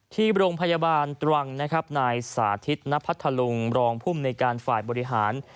ที่โรงพยาบาลตรังนะครับนายสาธิตนพัทธลุงรองภูมิในการฝ่ายบริหาร